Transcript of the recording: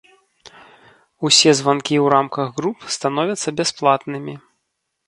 Усе званкі ў рамках груп становяцца бясплатнымі.